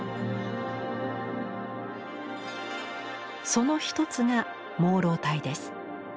その一つが「朦朧体」です。